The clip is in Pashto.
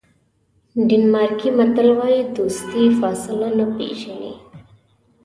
ډنمارکي متل وایي دوستي فاصله نه پیژني.